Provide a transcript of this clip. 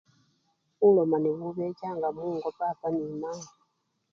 Bulomani bubechanga mungo papa nemayi.